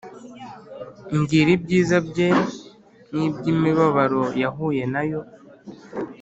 Mbwira ibyiza bye n’iby’imibabaro yahuye nayo